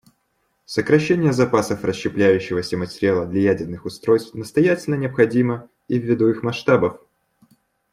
Сокращение запасов расщепляющегося материала для ядерных устройств настоятельно необходимо и ввиду их масштабов.